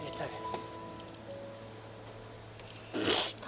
เสียใจ